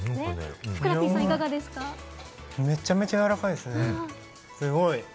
めちゃめちゃ、やわらかいですね。